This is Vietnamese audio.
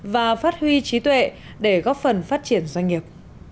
và phát huy trí tuệ để góp phần phát triển doanh nghiệp